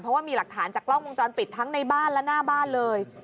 เพราะว่ามีหลักฐานจากกล้องวงจรปิดทั้งในบ้านและหน้าบ้านเลย